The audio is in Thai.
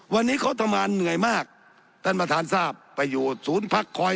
วันนี้เขาทำงานเหนื่อยมากท่านประธานทราบไปอยู่ศูนย์พักคอย